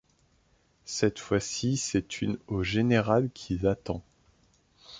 Cette fois-ci c'est une au général qui l'attend.